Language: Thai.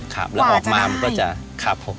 กว่าจะได้